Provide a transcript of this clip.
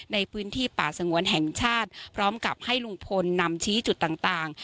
ในพื้นที่ป่าสงวนแห่งชาติพร้อมกับให้ลุงพลนำชี้จุดต่าง